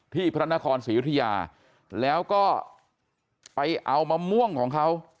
พระนครศรียุธยาแล้วก็ไปเอามะม่วงของเขา